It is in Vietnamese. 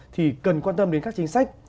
thì cần quan tâm đến các chính sách